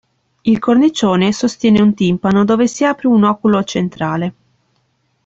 Il cornicione sostiene un timpano dove si apre un oculo centrale.